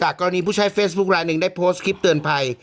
กรณีผู้ใช้เฟซบุ๊คลายหนึ่งได้โพสต์คลิปเตือนภัย